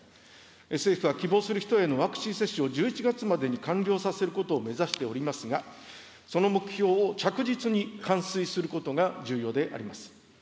政府は希望する人へのワクチン接種を１１月までに完了させることを目指しておりますが、その目標を着実に完遂することが重要であります。